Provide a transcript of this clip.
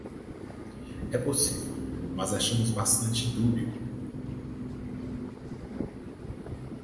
É possível, mas achamos bastante dúbio.